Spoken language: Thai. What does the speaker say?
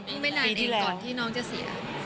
ไม่นานเองก่อนที่น้องจะเสีย